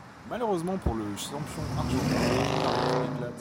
Malheureusement pour le champion argentin, un pneu arrière éclate.